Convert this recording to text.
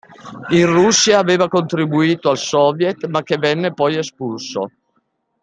In Russia aveva contribuito al soviet ma che venne poi espulso.